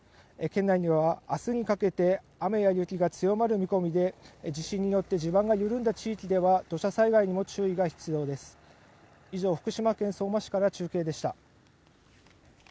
県内では明日にかけて雨や雪が強まる見込みで、地震によって地盤が緩んだ地域では土砂災害にも注意が必要です以上、福島県相馬市から中継でした。